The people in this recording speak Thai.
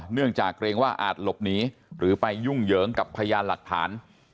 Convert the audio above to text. เนื่องจากเกรงว่าอาจหลบหนีหรือไปยุ่งเหยิงกับพยานหลักฐาน